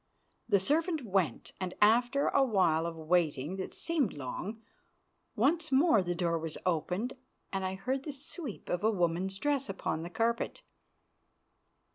The servant went, and, after a while of waiting that seemed long, once more the door was opened, and I heard the sweep of a woman's dress upon the carpet.